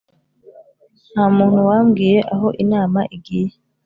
nta muntu wambwiye aho inama igiye.